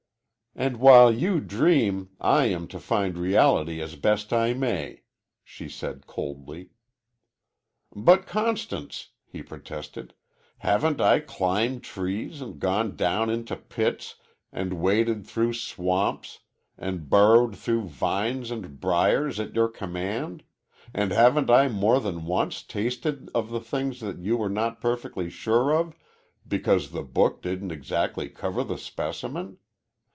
"And while you dream, I am to find my reality as best I may," she said coldly. "But, Constance," he protested, "haven't I climbed trees, and gone down into pits, and waded through swamps, and burrowed through vines and briars at your command; and haven't I more than once tasted of the things that you were not perfectly sure of, because the book didn't exactly cover the specimen?